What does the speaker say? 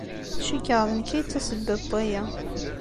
Cikkeɣ d nekk ay d tasebba n waya.